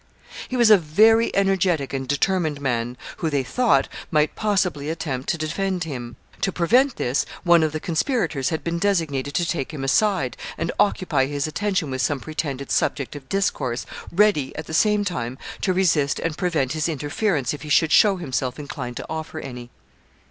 He was a very energetic and determined man, who, they thought, might possibly attempt to defend him. To prevent this, one of the conspirators had been designated to take him aside, and occupy his attention with some pretended subject of discourse, ready, at the same time, to resist and prevent his interference if he should show himself inclined to offer any.